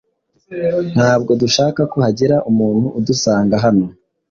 Ntabwo dushaka ko hagira umuntu udusanga hano.